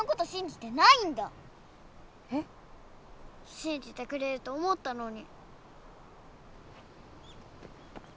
しんじてくれると思ったのに。